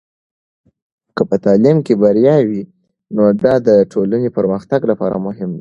که په تعلیم کې بریا وي، نو دا د ټولنې پرمختګ لپاره مهم دی.